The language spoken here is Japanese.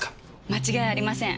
間違いありません